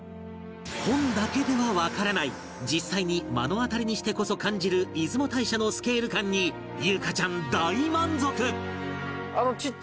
本だけではわからない実際に目の当たりにしてこそ感じる出雲大社のスケール感に裕加ちゃん大満足